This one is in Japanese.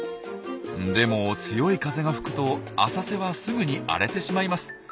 でも強い風が吹くと浅瀬はすぐに荒れてしまいます。